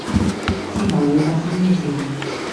之後會發生咩事